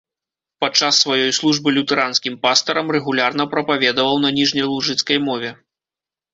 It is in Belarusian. Падчас сваёй службы лютэранскім пастарам рэгулярна прапаведаваў на ніжнялужыцкай мове.